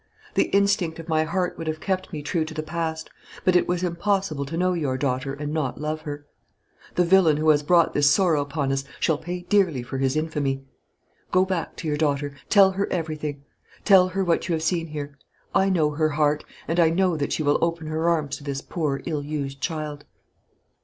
The instinct of my heart would have kept me true to the past; but it was impossible to know your daughter and not love her. The villain who has brought this sorrow upon us shall pay dearly for his infamy. Go back to your daughter; tell her everything. Tell her what you have seen here. I know her heart, and I know that she will open her arms to this poor ill used child."